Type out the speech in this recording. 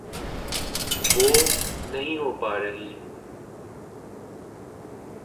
وہ نہیں ہو پا رہی۔